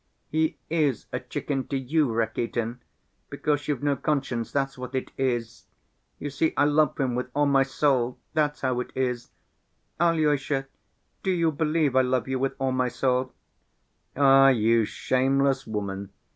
"He is a chicken to you, Rakitin ... because you've no conscience, that's what it is! You see, I love him with all my soul, that's how it is! Alyosha, do you believe I love you with all my soul?" "Ah, you shameless woman!